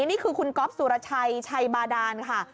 นี่คือคุณก๊อฟสุรชัยชัยบาดานค่ะ